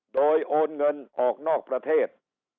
โดยโอนเงินออกนอกประเทศ